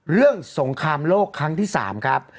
เรื่องสงครามโลกครั้งที่๓ครับ